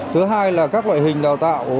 thứ hai là các loại hình đào tạo